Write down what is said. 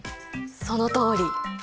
そのとおり！